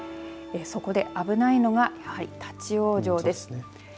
そこで危ないのが立往生です。